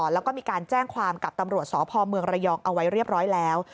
แล้วก็มีการแจ้งความกับตำรวจสพเมืองระยองเอาไว้เรียบร้อยแล้ว